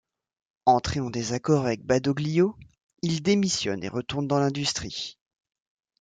Entré en désaccord avec Badoglio, il démissionne et retourne dans l'industrie.